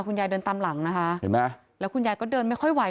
เดินตามหลังนะคะเห็นไหมแล้วคุณยายก็เดินไม่ค่อยไหว